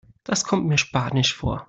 Das kommt mir spanisch vor.